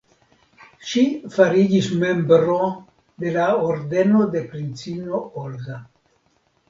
Ŝi fariĝis membro de la Ordeno de Princino Olga.